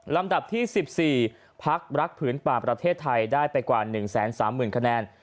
ลำดับที่๑๔พักรักผืนป่าประเทศไทยได้ไปกว่า๑๓๐๐๐คะแนน